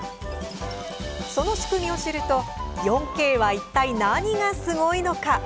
その仕組みを知ると４Ｋはいったい何がすごいのか。